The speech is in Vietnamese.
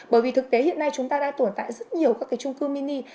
bởi vì thực tế hiện nay chúng ta đang tồn tại rất nhiều các cái trung cư mini